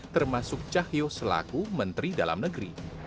termasuk cahyo selaku menteri dalam negeri